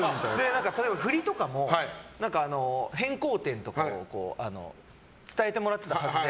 例えば、振りとかも変更点とかを伝えてもらっていたはずで。